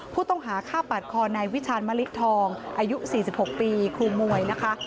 ผู้ต้องหาฆ่าปาดคอนายวิชาณมะลิทองอายุ๔๖ปีครูมวยนะคะ